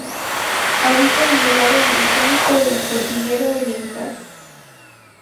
Habita en el lado amazónico de la Cordillera Oriental.